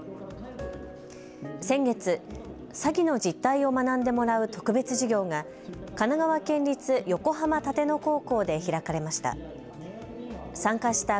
先月、詐欺の実態を学んでもらう特別授業が神奈川県立横浜立野高校で開かれました。